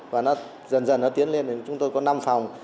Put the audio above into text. và dần dần nó tiến lên đến chúng tôi có năm phòng